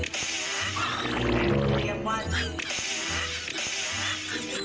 ก็เรียกว่าจีบ